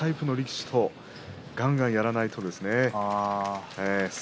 出稽古でいろんなタイプの力士とがんがんやらないとですね。